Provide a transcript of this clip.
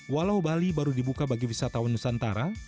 walau bali baru dibuka bagi wisatawan nusantara